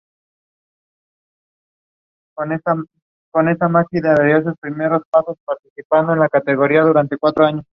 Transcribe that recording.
Junto a la iglesia se conserva el claustro monacal.